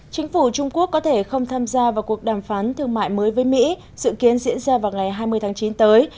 chính phủ trung quốc có thể không tham gia vào cuộc đàm phán thương mại mới với mỹ dự kiến diễn ra vào ngày hai mươi tháng chín tới